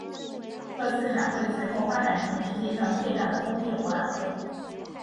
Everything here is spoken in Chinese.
这次展会随后发展成世界上最大的工业博览会。